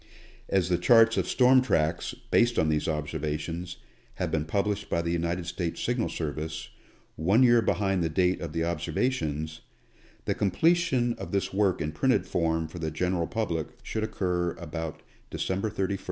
As the charts of storm tracks, based on these observations, have been published by the United States Signal Service one year behind the date of the observations, the completion of this work in printed form for the general public should occur about December 31, 1888.